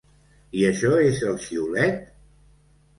I això és el xiulet?